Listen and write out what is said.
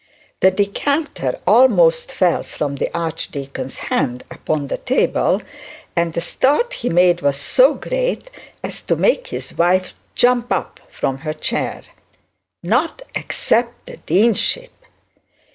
The decanter almost fell from the archdeacon's had upon the table; and the start he made was so great as to make his wife jump from her chair. Not accept the deanship!